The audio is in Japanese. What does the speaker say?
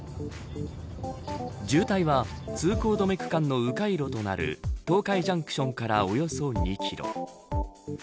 渋滞は通行止め区間の迂回路となる東海ジャンクションからおよそ２キロ。